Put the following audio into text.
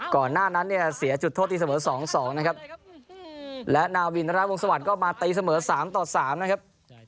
ก่อนหน้านั้นเนี่ยเสียจุดโทษตีเสมอ๒๒นะครับและนาวินธนาวงศวรรคก็มาตีเสมอ๓ต่อ๓นะครับ